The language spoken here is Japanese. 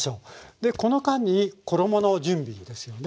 でこの間に衣の準備ですよね。